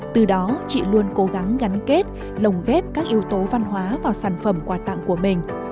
từ đó chị luôn cố gắng gắn kết lồng ghép các yếu tố văn hóa vào sản phẩm quà tặng của mình